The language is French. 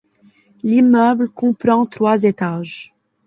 L'immeuble comprend trois étages.